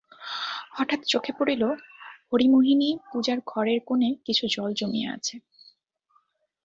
হঠাৎ চোখে পড়িল, হরিমোহিনী পূজার ঘরের কোণে কিছু জল জমিয়া আছে।